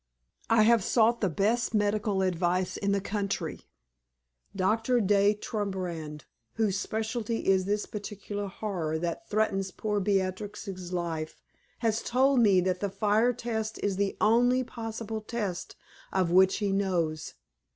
I have sought the best medical advice in the country. Doctor De Trobriand, whose specialty is this particular horror that threatens poor Beatrix's life, has told me that the fire test is the only possible test of which he knows.